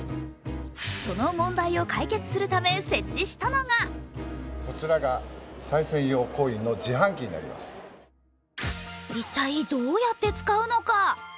その問題を解決するため設置したのが一体どうやって使うのか。